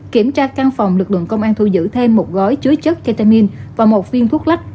kiểm tra căn phòng lực lượng công an thu giữ thêm một gói chứa chất ketamin và một viên thuốc lắc